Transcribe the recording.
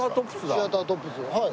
シアタートップスはい。